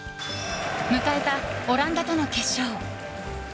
迎えた、オランダとの決勝。